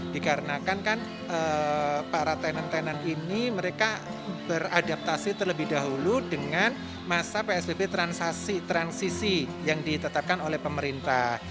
dikarenakan kan para tenan tenan ini mereka beradaptasi terlebih dahulu dengan masa psbb transisi yang ditetapkan oleh pemerintah